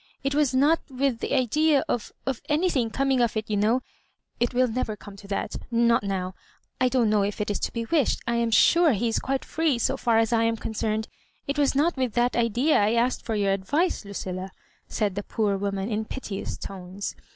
It was not with the idea of— of anything coming of it, you know ; it will never come to that — not now ;— ^I don't know if it is to be wished. I am sure he is quite free so &r as I am concerned. It was not with that idea I asked for your advice, Lucilla," said the poor woman, in piteous tones.